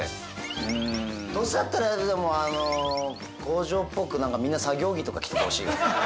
どうせだったら工場っぽくみんな作業着とか着ててほしい。